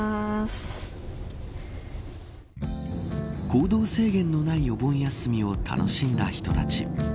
行動制限のないお盆休みを楽しんだ人たち。